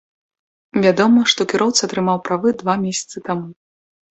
Вядома, што кіроўца атрымаў правы два месяцы таму.